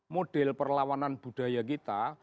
model perlawanan budaya kita